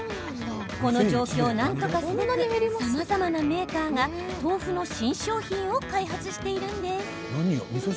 この状況を何とかすべくさまざまなメーカーが豆腐の新商品を開発しているんです。